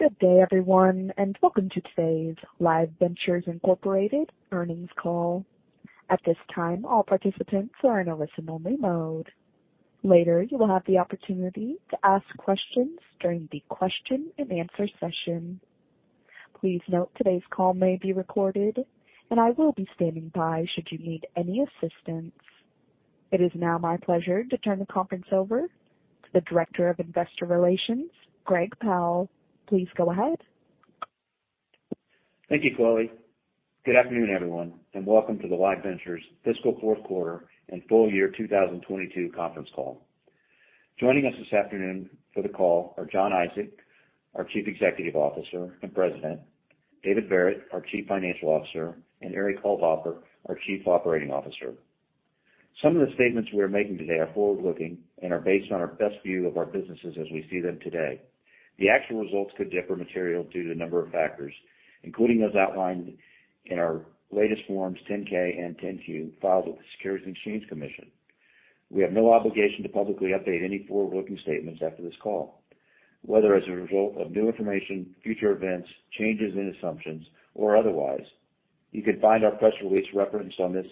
Good day, everyone, welcome to today's Live Ventures Incorporated earnings call. At this time, all participants are in a listen-only mode. Later, you will have the opportunity to ask questions during the question-and-answer session. Please note, today's call may be recorded, I will be standing by should you need any assistance. It is now my pleasure to turn the conference over to the Director of Investor Relations, Greg Powell. Please go ahead. Thank you, Chloe. Good afternoon, everyone, and welcome to the Live Ventures fiscal fourth quarter and full year 2022 conference call. Joining us this afternoon for the call are Jon Isaac, our Chief Executive Officer and President, David Verret, our Chief Financial Officer, and Eric Althofer, our Chief Operating Officer. Some of the statements we are making today are forward-looking and are based on our best view of our businesses as we see them today. The actual results could differ materially due to a number of factors, including as outlined in our latest forms 10-K and 10-Q filed with the Securities and Exchange Commission. We have no obligation to publicly update any forward-looking statements after this call, whether as a result of new information, future events, changes in assumptions or otherwise. You can find our press release referenced on this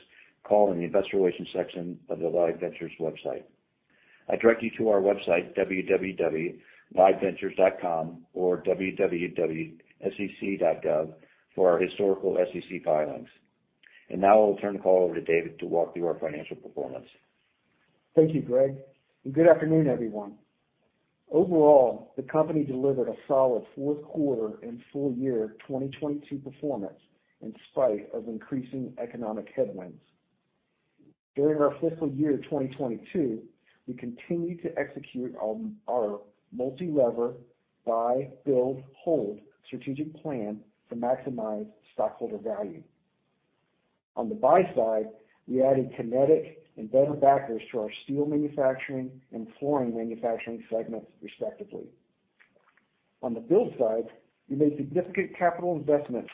call in the Investor Relations section of the Live Ventures website. I direct you to our website, www.liveventures.com, or www.sec.gov for our historical SEC filings. Now I will turn the call over to David to walk through our financial performance. Thank you, Greg. Good afternoon, everyone. Overall, the company delivered a solid fourth quarter and full year 2022 performance in spite of increasing economic headwinds. During our fiscal year 2022, we continued to execute on our multi-lever buy, build, hold strategic plan to maximize stockholder value. On the buy side, we added Kinetic and Better Backers to our steel manufacturing and flooring manufacturing segments, respectively. On the build side, we made significant capital investments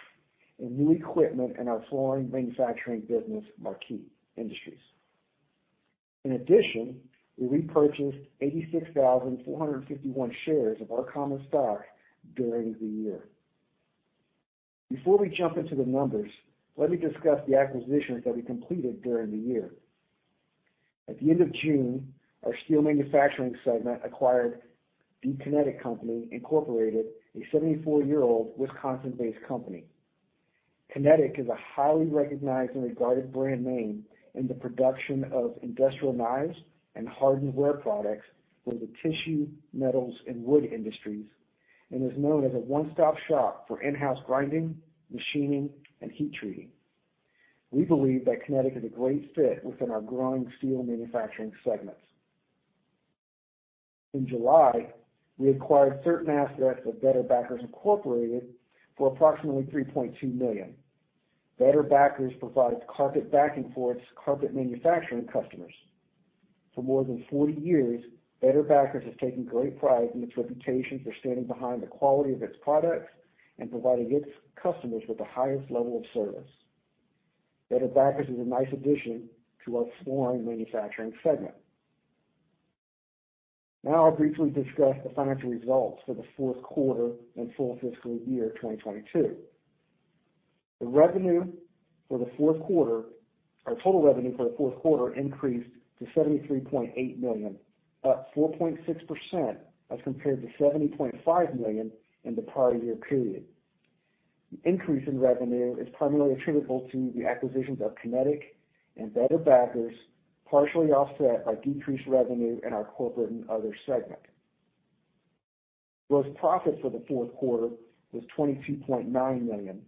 in new equipment in our flooring manufacturing business, Marquis Industries. We repurchased 86,451 shares of our common stock during the year. Before we jump into the numbers, let me discuss the acquisitions that we completed during the year. At the end of June, our steel manufacturing segment acquired the Kinetic Company Incorporated, a 74-year-old Wisconsin-based company. Kinetic is a highly recognized and regarded brand name in the production of industrial knives and hardened wear products for the tissue, metals and wood industries, and is known as a one-stop shop for in-house grinding, machining, and heat treating. We believe that Kinetic is a great fit within our growing steel manufacturing segments. In July, we acquired certain assets of Better Backers Incorporated for approximately $3.2 million. Better Backers provides carpet backing for its carpet manufacturing customers. For more than 40 years, Better Backers has taken great pride in its reputation for standing behind the quality of its products and providing its customers with the highest level of service. Better Backers is a nice addition to our flooring manufacturing segment. Now I'll briefly discuss the financial results for the fourth quarter and full fiscal year 2022. The revenue for the fourth quarter... Our total revenue for the fourth quarter increased to $73.8 million, up 4.6% as compared to $70.5 million in the prior year period. The increase in revenue is primarily attributable to the acquisitions of Kinetic and Better Backers, partially offset by decreased revenue in our corporate and other segment. Gross profit for the fourth quarter was $22.9 million,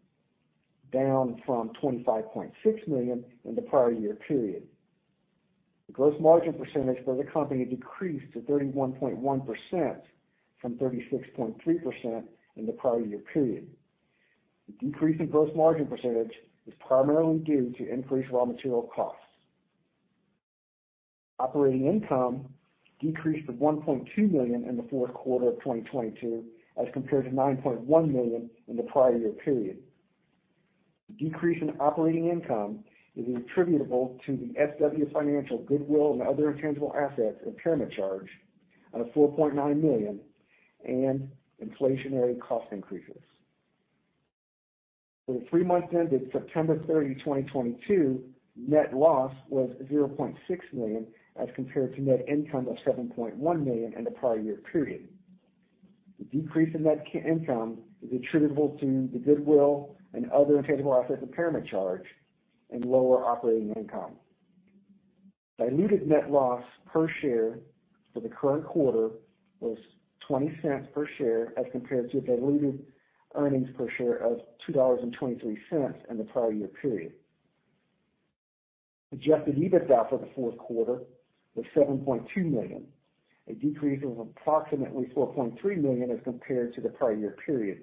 down from $25.6 million in the prior year period. The gross margin percentage for the company decreased to 31.1% from 36.3% in the prior year period. The decrease in gross margin percentage is primarily due to increased raw material costs. Operating income decreased to $1.2 million in the fourth quarter of 2022, as compared to $9.1 million in the prior year period. The decrease in operating income is attributable to the SW Financial goodwill and other intangible assets impairment charge of $4.9 million and inflationary cost increases. For the three months ended September 30, 2022, net loss was $0.6 million as compared to net income of $7.1 million in the prior year period. The decrease in net income is attributable to the goodwill and other intangible assets impairment charge and lower operating income. Diluted net loss per share for the current quarter was $0.20 per share as compared to a diluted earnings per share of $2.23 in the prior year period. Adjusted EBITDA for the fourth quarter was $7.2 million, a decrease of approximately $4.3 million as compared to the prior year period.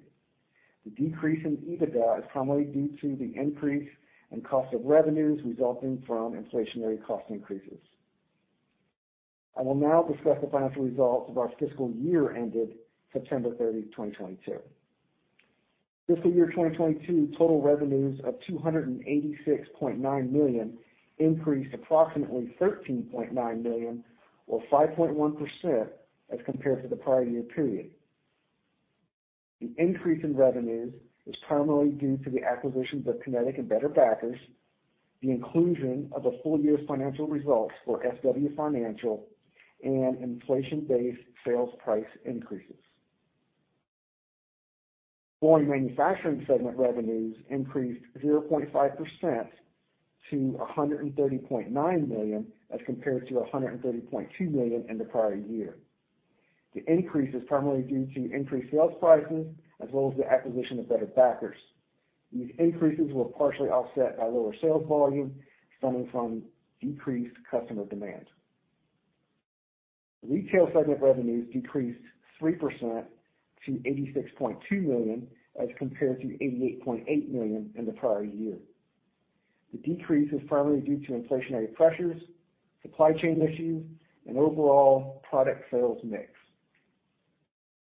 The decrease in EBITDA is primarily due to the increase in cost of revenues resulting from inflationary cost increases. I will now discuss the financial results of our fiscal year ended September 30, 2022. Fiscal year 2022 total revenues of $286.9 million increased approximately $13.9 million or 5.1% as compared to the prior year period. The increase in revenues was primarily due to the acquisitions of Kinetic and Better Backers, the inclusion of a full year's financial results for SW Financial, and inflation-based sales price increases. Foreign manufacturing segment revenues increased 0.5% to $130.9 million as compared to $130.2 million in the prior year. The increase is primarily due to increased sales prices as well as the acquisition of Better Backers. These increases were partially offset by lower sales volume stemming from decreased customer demand. Retail segment revenues decreased 3% to $86.2 million as compared to $88.8 million in the prior year. The decrease was primarily due to inflationary pressures, supply chain issues, and overall product sales mix.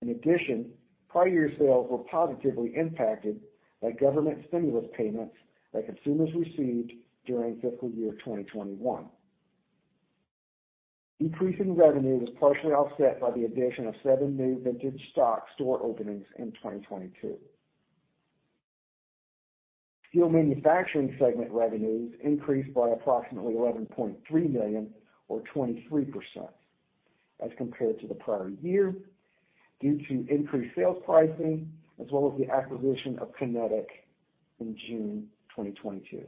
In addition, prior year sales were positively impacted by government stimulus payments that consumers received during fiscal year 2021. Decrease in revenue was partially offset by the addition of seven new Vintage Stock store openings in 2022. Steel manufacturing segment revenues increased by approximately $11.3 million or 23% as compared to the prior year due to increased sales pricing as well as the acquisition of Kinetic in June 2022.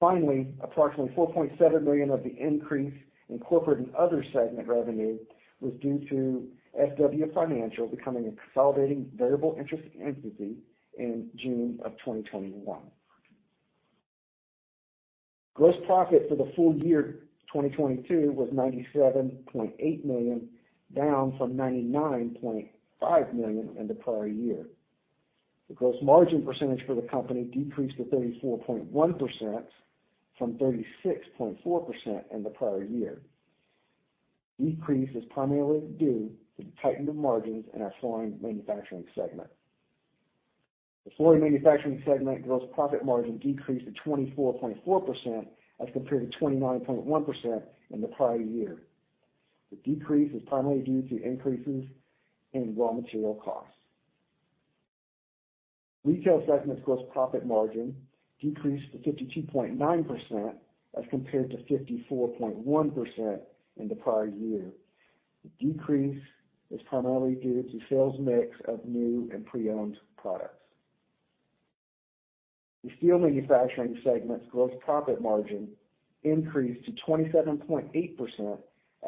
Finally, approximately $4.7 million of the increase in corporate and other segment revenue was due to SW Financial becoming a consolidating variable interest entity in June of 2021. Gross profit for the full year 2022 was $97.8 million, down from $99.5 million in the prior year. The gross margin percentage for the company decreased to 34.1% from 36.4% in the prior year. Decrease is primarily due to the tightening of margins in our foreign manufacturing segment. The foreign manufacturing segment gross profit margin decreased to 24.4% as compared to 29.1% in the prior year. The decrease is primarily due to increases in raw material costs. Retail segment's gross profit margin decreased to 52.9% as compared to 54.1% in the prior year. The decrease is primarily due to sales mix of new and pre-owned products. The steel manufacturing segment's gross profit margin increased to 27.8%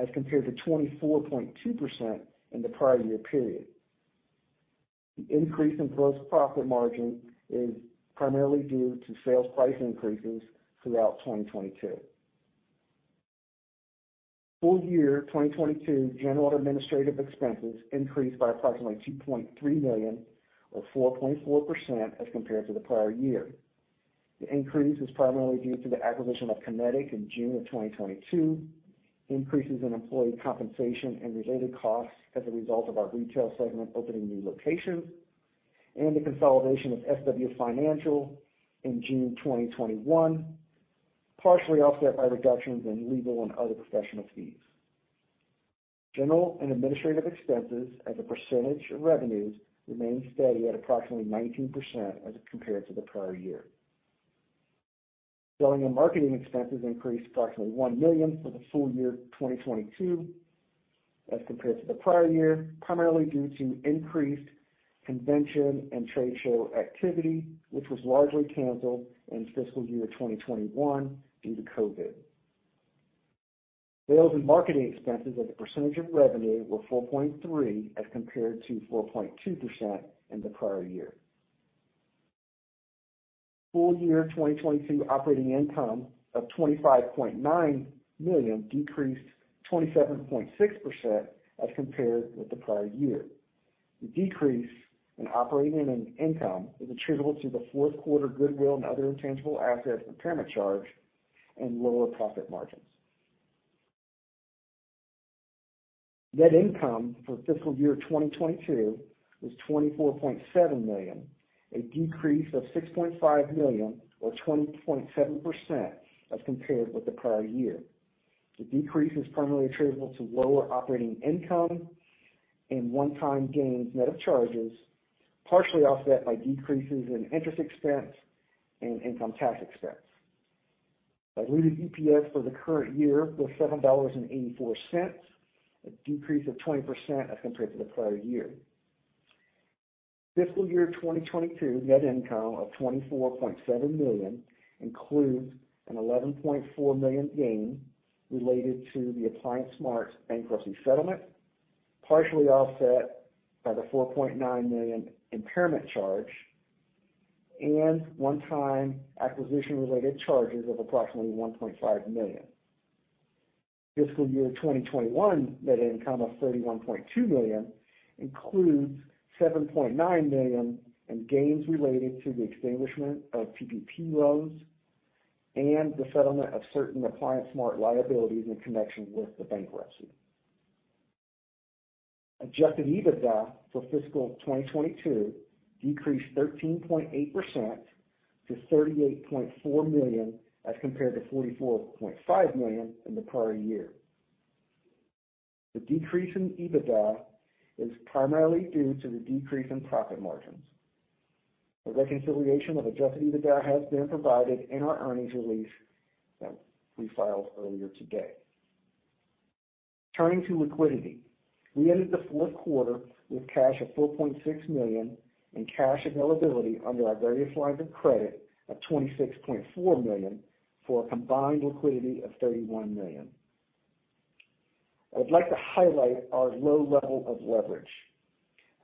as compared to 24.2% in the prior year period. The increase in gross profit margin is primarily due to sales price increases throughout 2022. Full year 2022 general administrative expenses increased by approximately $2.3 million or 4.4% as compared to the prior year. The increase was primarily due to the acquisition of Kinetic in June of 2022, increases in employee compensation and related costs as a result of our retail segment opening new locations, and the consolidation of SW Financial in June 2021, partially offset by reductions in legal and other professional fees. General and administrative expenses as a percentage of revenues remained steady at approximately 19% as compared to the prior year. Selling and marketing expenses increased approximately $1 million for the full year 2022 as compared to the prior year, primarily due to increased convention and trade show activity, which was largely canceled in fiscal year 2021 due to COVID. Sales and marketing expenses as a percentage of revenue were 4.3% as compared to 4.2% in the prior year. Full year 2022 operating income of $25.9 million decreased 27.6% as compared with the prior year. The decrease in operating income is attributable to the fourth quarter goodwill and other intangible assets impairment charge and lower profit margins. Net income for fiscal year 2022 was $24.7 million, a decrease of $6.5 million or 20.7% as compared with the prior year. The decrease is primarily attributable to lower operating income and one-time gains net of charges, partially offset by decreases in interest expense and income tax expense. Diluted EPS for the current year was $7.84, a decrease of 20% as compared to the prior year. Fiscal year 2022 net income of $24.7 million includes an $11.4 million gain related to the ApplianceSmart bankruptcy settlement, partially offset by the $4.9 million impairment charge and one-time acquisition-related charges of approximately $1.5 million. Fiscal year 2021 net income of $31.2 million includes $7.9 million in gains related to the establishment of TGP Roste. The settlement of certain ApplianceSmart liabilities in connection with the bankruptcy. Adjusted EBITDA for fiscal 2022 decreased 13.8% to $38.4 million as compared to $44.5 million in the prior year. The decrease in EBITDA is primarily due to the decrease in profit margins. A reconciliation of adjusted EBITDA has been provided in our earnings release that we filed earlier today. Turning to liquidity. We ended the fourth quarter with cash of $4.6 million and cash availability under our various lines of credit of $26.4 million for a combined liquidity of $31 million. I would like to highlight our low level of leverage.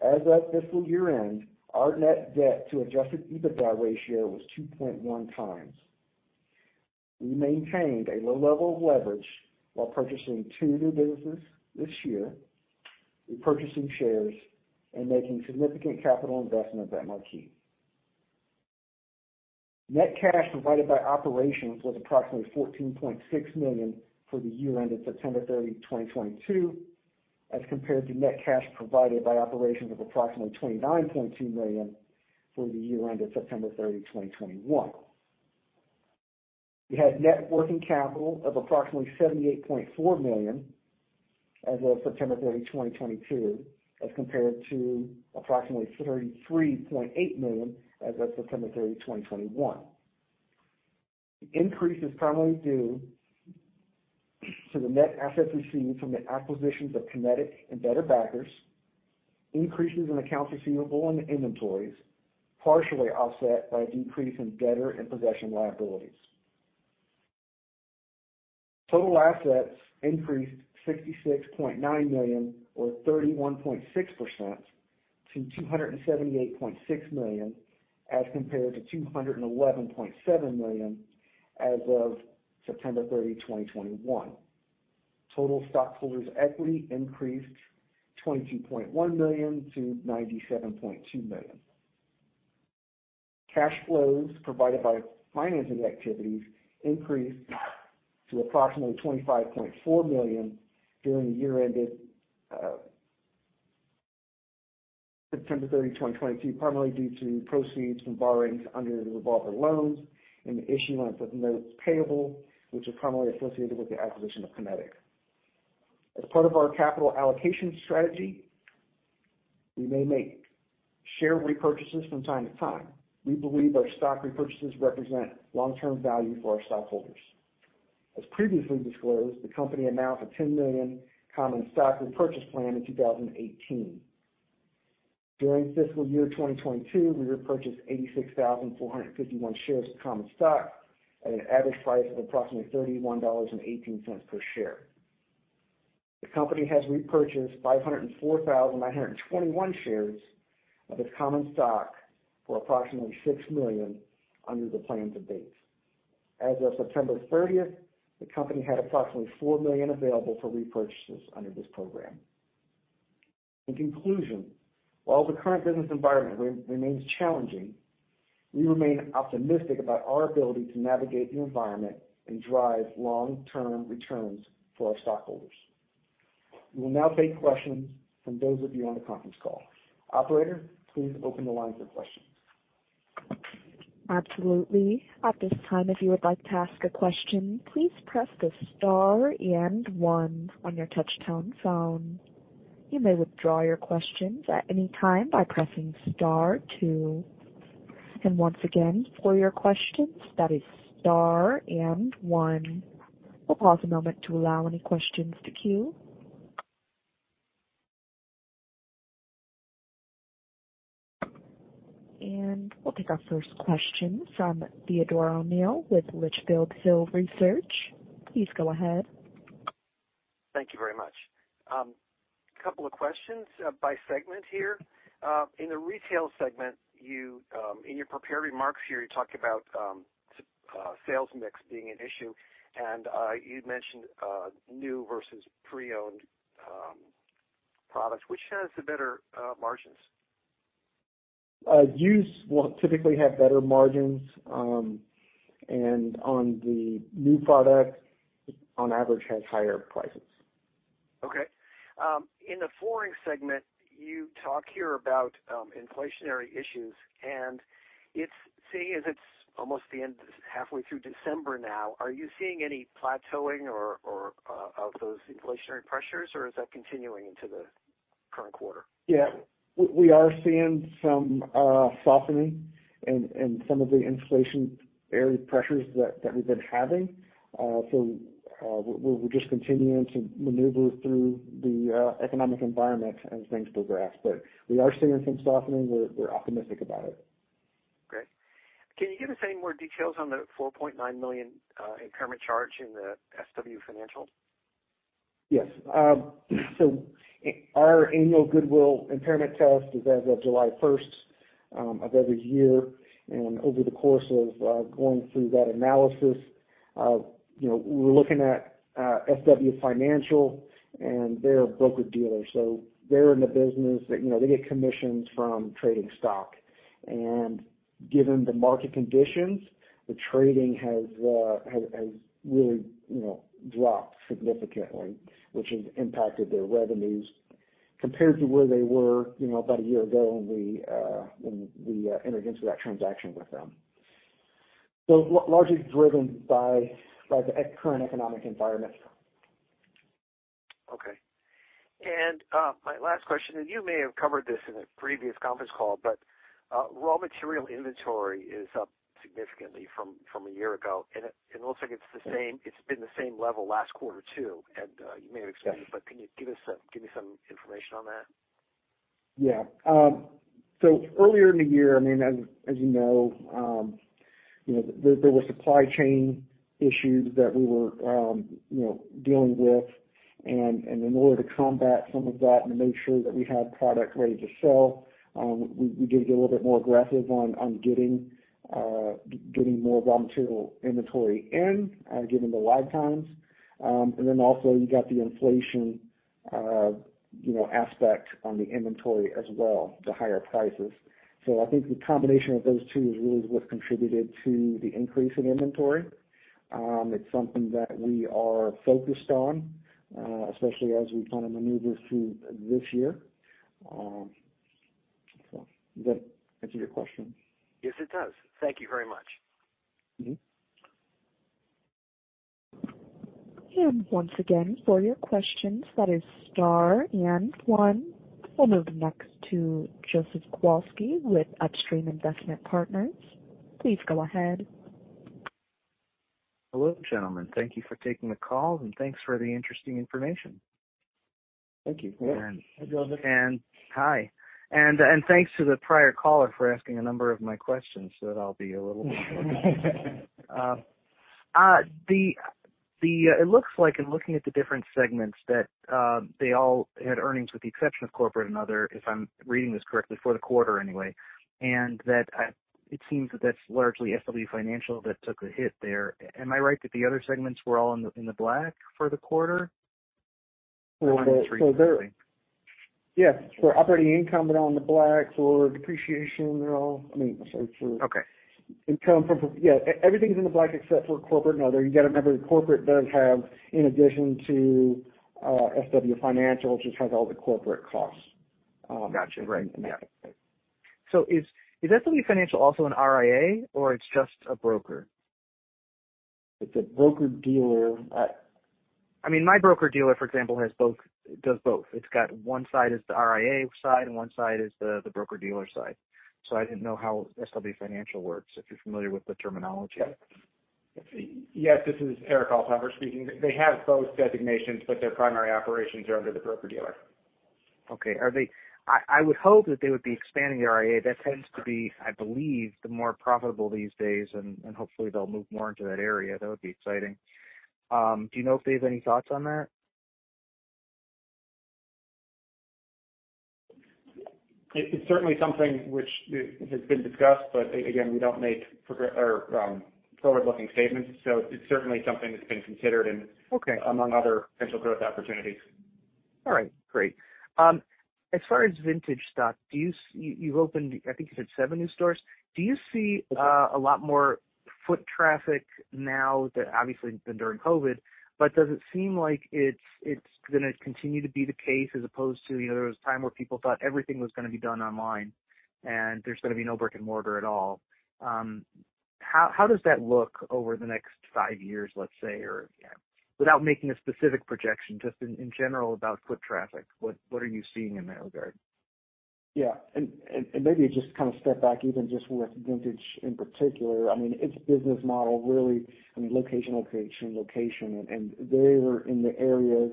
As at fiscal year-end, our net debt to adjusted EBITDA ratio was 2.1x. We maintained a low level of leverage while purchasing two new businesses this year, repurchasing shares, and making significant capital investments at Marquis. Net cash provided by operations was approximately $14.6 million for the year ended September 30, 2022, as compared to net cash provided by operations of approximately $29.2 million for the year ended September 30, 2021. We had net working capital of approximately $78.4 million as of September 30, 2022, as compared to approximately $33.8 million as of September 30, 2021. The increase is primarily due to the net assets received from the acquisitions of Kinetic and Better Backers, increases in accounts receivable and inventories, partially offset by a decrease in debtor in possession liabilities. Total assets increased $66.9 million or 31.6% to $278.6 million as compared to $211.7 million as of September 30, 2021. Total stockholders' equity increased $22.1 million to $97.2 million. Cash flows provided by financing activities increased to approximately $25.4 million during the year ended September 30, 2022, primarily due to proceeds from borrowings under the revolver loans and the issuance of notes payable, which are primarily associated with the acquisition of Kinetic. As part of our capital allocation strategy, we may make share repurchases from time to time. We believe our stock repurchases represent long-term value for our stockholders. As previously disclosed, the company announced a $10 million common stock repurchase plan in 2018. During fiscal year 2022, we repurchased 86,451 shares of common stock at an average price of approximately $31.18 per share. The company has repurchased 504,921 shares of its common stock for approximately $6 million under the plan to date. As of September 30th, the company had approximately $4 million available for repurchases under this program. In conclusion, while the current business environment remains challenging, we remain optimistic about our ability to navigate the environment and drive long-term returns for our stockholders. We will now take questions from those of you on the conference call. Operator, please open the line for questions. Absolutely. At this time, if you would like to ask a question, please press the star and one on your touchtone phone. You may withdraw your questions at any time by pressing star two. Once again, for your questions, that is star and one. We'll pause a moment to allow any questions to queue. We'll take our first question from Theodore O'Neill with Litchfield Hills Research. Please go ahead. Thank you very much. A couple of questions by segment here. In the retail segment, you in your prepared remarks here, you talked about sales mix being an issue, and you'd mentioned new versus pre-owned products. Which has the better margins? Used will typically have better margins, and on the new product, on average, has higher prices. Okay. In the flooring segment, you talk here about inflationary issues. Seeing as it's almost the end, halfway through December now, are you seeing any plateauing or of those inflationary pressures, or is that continuing into the current quarter? Yeah. We are seeing some softening in some of the inflationary pressures that we've been having. We're just continuing to maneuver through the economic environment as things progress. We are seeing some softening. We're optimistic about it. Great. Can you give us any more details on the $4.9 million impairment charge in the SW Financial? Yes. Our annual goodwill impairment test is as of July first of every year. Over the course of going through that analysis. You know, we're looking at SW Financial and they're a broker-dealer, so they're in the business that, you know, they get commissions from trading stock. Given the market conditions, the trading has really, you know, dropped significantly, which has impacted their revenues compared to where they were, you know, about a year ago when we entered into that transaction with them. Largely driven by the current economic environment. Okay. My last question, and you may have covered this in a previous conference call, but raw material inventory is up significantly from a year ago, and it looks like it's the same, it's been the same level last quarter too. You may have explained it. Yes. Can you give me some information on that? Yeah. Earlier in the year, I mean, as you know, there were supply chain issues that we were, you know, dealing with. In order to combat some of that and to make sure that we had product ready to sell, we did get a little bit more aggressive on getting more raw material inventory in, given the lag times. Also you got the inflation, you know, aspect on the inventory as well, the higher prices. I think the combination of those two is really what's contributed to the increase in inventory. It's something that we are focused on, especially as we kind of maneuver through this year. Does that answer your question? Yes, it does. Thank you very much. Mm-hmm. Once again, for your questions, that is star 1. We'll move next to Joseph Kowalsky with Upstream Investment Partners. Please go ahead. Hello, gentlemen. Thank you for taking the call, and thanks for the interesting information. Thank you. Yeah. And- Hi, Joseph. Hi. Thanks to the prior caller for asking a number of my questions, so that I'll be a little. It looks like in looking at the different segments that, they all had earnings with the exception of corporate and other, if I'm reading this correctly, for the quarter anyway. That, it seems that that's largely SW Financial that took a hit there. Am I right that the other segments were all in the, in the black for the quarter? One, two, three Yes. For operating income, they're all in the black. For depreciation, they're all, I mean. Okay. Income from... Yeah. Everything's in the black except for corporate and other. You gotta remember, corporate does have, in addition to SW Financial, just has all the corporate costs. Gotcha. Right. Yeah. Is SW Financial also an RIA or it's just a broker? It's a broker-dealer. I mean, my broker-dealer, for example, has both, does both. It's got one side is the RIA side and one side is the broker-dealer side. I didn't know how SW Financial works, if you're familiar with the terminology. Yes. This is Eric Althofer speaking. They have both designations, but their primary operations are under the broker-dealer. Okay. Are they... I would hope that they would be expanding the RIA. That tends to be, I believe, the more profitable these days, and hopefully they'll move more into that area. That would be exciting. Do you know if they have any thoughts on that? It's certainly something which has been discussed. Again, we don't make or forward-looking statements. It's certainly something that's been considered. Okay. Among other potential growth opportunities. All right. Great. As far as Vintage Stock, You've opened, I think you said seven new stores. Do you see, a lot more foot traffic now that obviously than during COVID, but does it seem like it's gonna continue to be the case as opposed to, you know, there was a time where people thought everything was gonna be done online, and there's gonna be no brick and mortar at all? How does that look over the next five years, let's say? You know, without making a specific projection, just in general about foot traffic, what are you seeing in that regard? Yeah. Maybe just to kind of step back even just with Vintage in particular, I mean, its business model really, I mean, location, location. They were in the areas,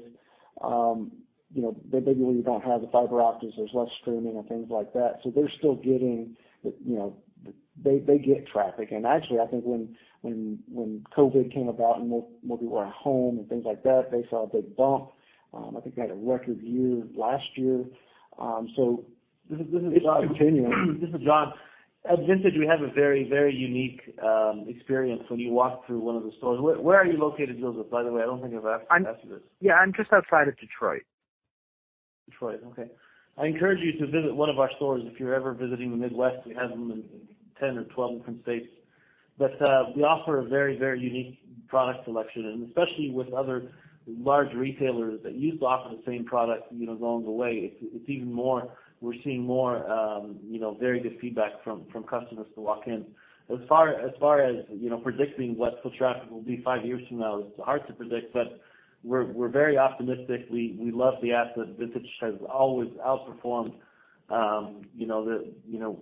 you know, that maybe where you don't have the fiber optics, there's less streaming and things like that. They're still getting the, you know, they get traffic. Actually, I think when COVID came about and more people were at home and things like that, they saw a big bump. I think they had a record year last year. This is. This is Jon. At Vintage, we have a very, very unique experience when you walk through one of the stores. Where are you located, Joseph, by the way? I don't think I've asked you this. Yeah. I'm just outside of Detroit. Detroit, okay. I encourage you to visit one of our stores if you're ever visiting the Midwest. We have them in 10 or 12 different states. We offer a very unique product selection, and especially with other large retailers that used to offer the same product, you know, along the way. We're seeing more, you know, very good feedback from customers to walk in. As far as, you know, predicting what foot traffic will be five years from now, it's hard to predict, we're very optimistic. We love the asset. Vintage has always outperformed, you know, the, you know...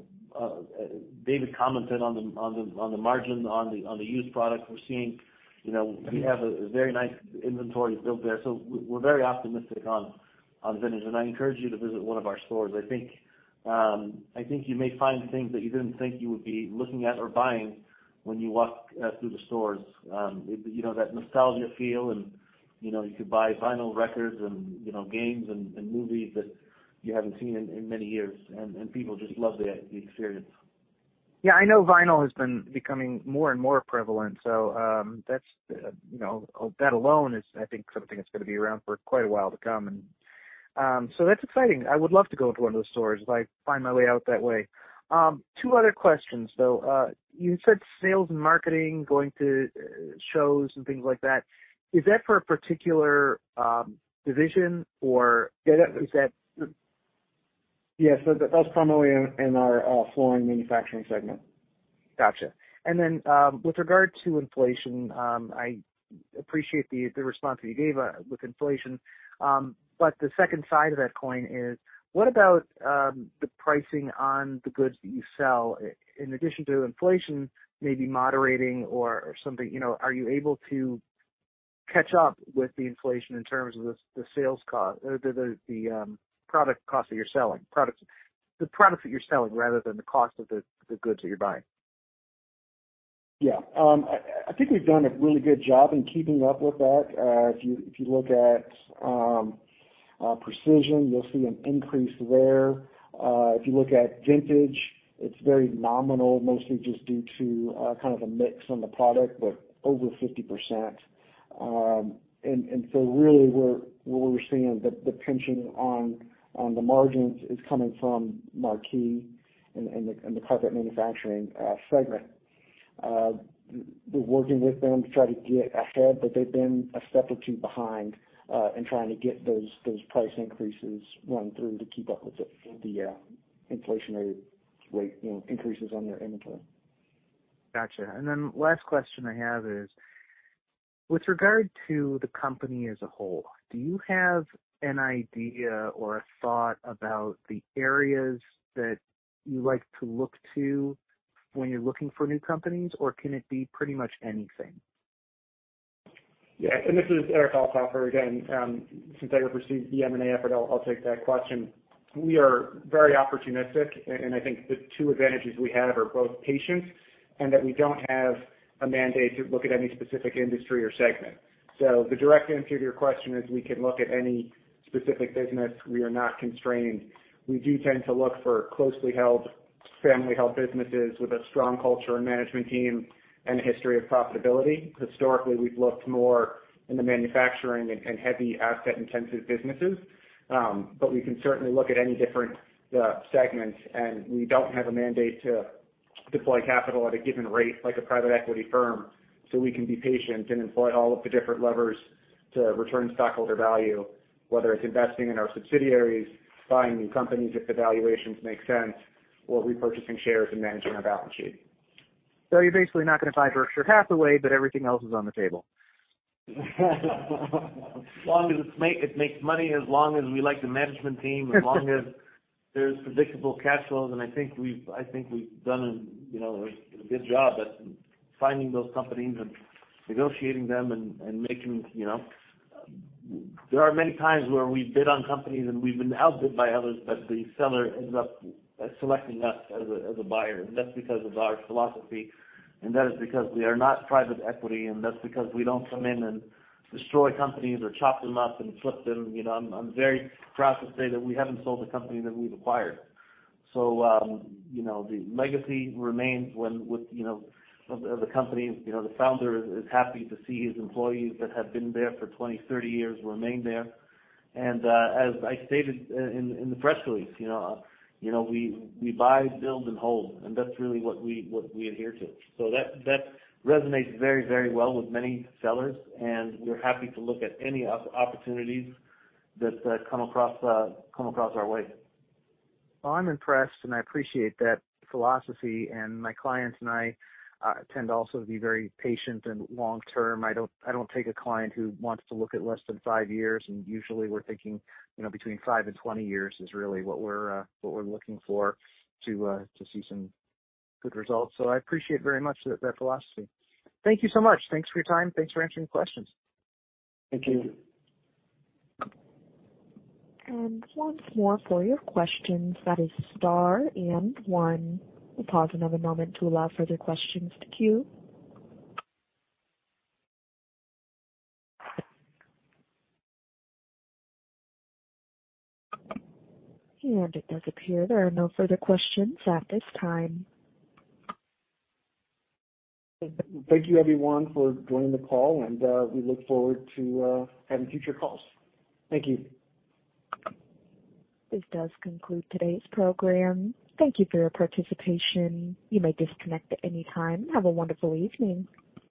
David commented on the margin on the used product we're seeing. You know, we have a very nice inventory built there, so we're very optimistic on Vintage. I encourage you to visit one of our stores. I think you may find things that you didn't think you would be looking at or buying when you walk through the stores. You know, that nostalgia feel. You know, you could buy vinyl records and, you know, games and movies that you haven't seen in many years. People just love the experience. Yeah, I know vinyl has been becoming more and more prevalent, so, that's, you know, that alone is I think something that's gonna be around for quite a while to come. So that's exciting. I would love to go to one of those stores if I find my way out that way. Two other questions, though. You said sales and marketing going to shows and things like that. Is that for a particular, division or? Yeah. Is that? Yes. That's primarily in our flooring manufacturing segment. Gotcha. With regard to inflation, I appreciate the response that you gave with inflation. The second side of that coin is, what about the pricing on the goods that you sell in addition to inflation maybe moderating or something, you know, are you able to catch up with the inflation in terms of the sales cost or the product cost that you're selling, the product that you're selling rather than the cost of the goods that you're buying? Yeah. I think we've done a really good job in keeping up with that. If you look at Precision, you'll see an increase there. If you look at Vintage, it's very nominal, mostly just due to kind of a mix on the product, but over 50%. Really where we're seeing the pinching on the margins is coming from Marquis and the carpet manufacturing segment. We're working with them to try to get ahead, but they've been a step or two behind in trying to get those price increases run through to keep up with the inflationary rate, you know, increases on their inventory. Gotcha. Last question I have is, with regard to the company as a whole, do you have an idea or a thought about the areas that you like to look to when you're looking for new companies, or can it be pretty much anything? Yeah. This is Eric Althofer again. Since I oversee the M&A effort, I'll take that question. We are very opportunistic, and I think the two advantages we have are both patience and that we don't have a mandate to look at any specific industry or segment. The direct answer to your question is we can look at any specific business. We are not constrained. We do tend to look for closely held, family held businesses with a strong culture and management team and a history of profitability. Historically, we've looked more in the manufacturing and heavy asset intensive businesses. We can certainly look at any different segments, and we don't have a mandate to deploy capital at a given rate like a private equity firm. We can be patient and employ all of the different levers to return stockholder value, whether it's investing in our subsidiaries, buying new companies if the valuations make sense, or repurchasing shares and managing our balance sheet. You're basically not gonna buy Berkshire Hathaway, but everything else is on the table. As long as it makes money, as long as we like the management team, as long as there's predictable cash flows. I think we've, I think we've done a, you know, a good job at finding those companies and negotiating them and making, you know... There are many times where we bid on companies and we've been outbid by others, but the seller ends up selecting us as a, as a buyer. That's because of our philosophy, and that is because we are not private equity, and that's because we don't come in and destroy companies or chop them up and flip them. You know, I'm very proud to say that we haven't sold a company that we've acquired. you know, the legacy remains when with, you know, of the, of the company. You know, the founder is happy to see his employees that have been there for 20, 30 years remain there. As I stated in the press release, you know, we buy, build and hold, and that's really what we adhere to. That resonates very well with many sellers, and we're happy to look at any opportunities that come across our way. Well, I'm impressed, and I appreciate that philosophy. My clients and I tend to also be very patient and long-term. I don't take a client who wants to look at less than five years, and usually we're thinking, you know, between five and 20 years is really what we're looking for to see some good results. I appreciate very much that philosophy. Thank you so much. Thanks for your time. Thanks for answering questions. Thank you. Once more for your questions, that is star and one. We'll pause another moment to allow further questions to queue. It does appear there are no further questions at this time. Thank you everyone for joining the call, and we look forward to having future calls. Thank you. This does conclude today's program. Thank you for your participation. You may disconnect at any time. Have a wonderful evening.